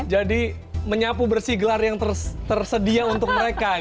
jadi menyapu bersih gelar yang tersedia untuk mereka